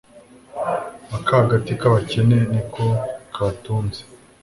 akagati k'abakene ni ko kabatunze